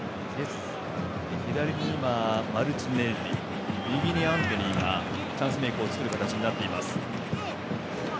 左にルチネッリ右にアントニーがチャンスメイクを作る形になっています。